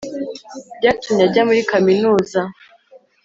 byatumye ajya muri kaminuza